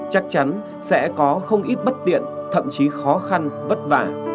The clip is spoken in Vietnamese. chắc chắn sẽ có không ít bất tiện thậm chí khó khăn vất vả